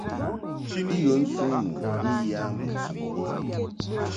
I ghə nsuŋ nu I yə a mbo sun bi.